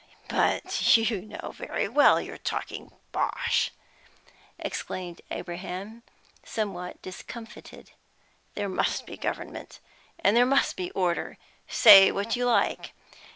"But you know very well you're talking bosh," exclaimed Abraham, somewhat discomfited. "There must be government, and there must be order, say what you like.